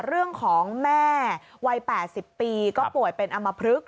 เรื่องของแม่วัย๘๐ปีก็ป่วยเป็นอำมพลึก